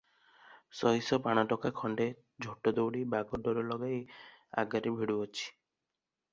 ସଇସ ପାଣଟୋକା ଖଣ୍ତେ ଝୋଟଦଉଡ଼ି ବାଗଡୋର ଲଗାଇ ଆଗରେ ଭିଡୁଅଛି ।